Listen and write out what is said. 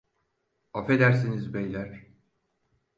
Afedersiniz beyler.